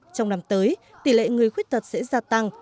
trong năm tới tỷ lệ người khuyết tật sẽ gia tăng